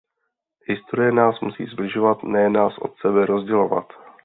Historie nás musí sbližovat, ne nás od sebe rozdělovat.